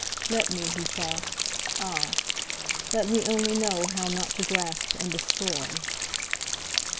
"Let me," he thought, "ah! let me only know how not to grasp and destroy!"